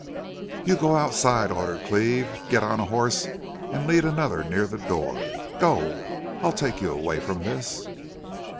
"You go outside," ordered Cleve. "Get on a horse and lead another near the door.... Go! I'll take you away from this."